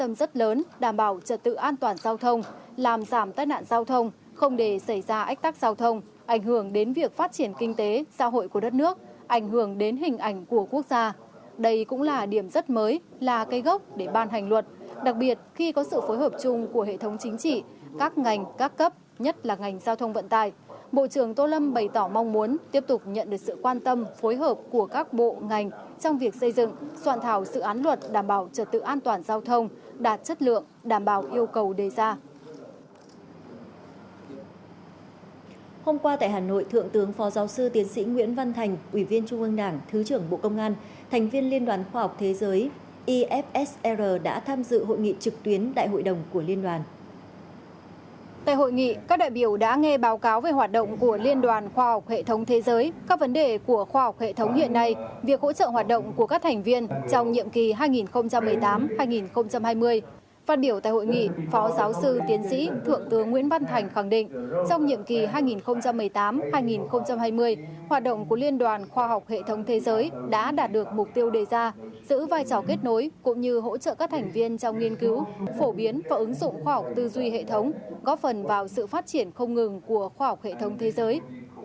phát biểu tại hội nghị phó giáo sư tiến sĩ thượng tướng nguyễn văn thành khẳng định trong nhiệm kỳ hai nghìn một mươi tám hai nghìn hai mươi hoạt động của liên đoàn khoa học hệ thống thế giới đã đạt được mục tiêu đề ra giữ vai trò kết nối cũng như hỗ trợ các thành viên trong nghiên cứu phổ biến và ứng dụng khoa học tư duy hệ thống góp phần vào sự phát triển không ngừng của khoa học hệ thống thế giới